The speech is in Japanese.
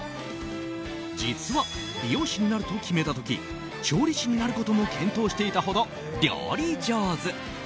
実は、美容師になると決めた時調理師になることも検討していたほど料理上手。